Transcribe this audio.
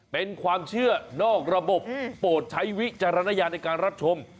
เป็นความเชื่อนอกระบบโปรดใช้วิจารณญาณในการรับชม